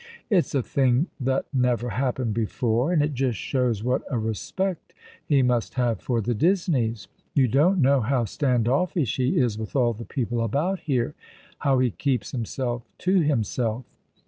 " It's a thing that never happened before, and it just shows what a respect he must have for the Disneys. You don't know how stand offish he is with all the people about here — how he keeps himself to himself.